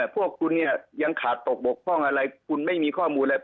พวกคุณเนี่ยยังขาดตกบกพร่องอะไรคุณไม่มีข้อมูลอะไร